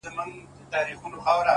ما درمل راوړه ما په سونډو باندې ووهله’